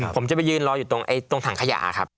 ผมจะไปยืนรออยู่ตรงถังขยะครับ